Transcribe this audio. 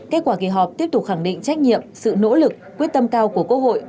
kết quả kỳ họp tiếp tục khẳng định trách nhiệm sự nỗ lực quyết tâm cao của quốc hội